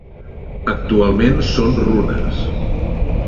Actualment són runes.